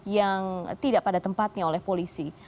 yang tidak pada tempatnya oleh polisi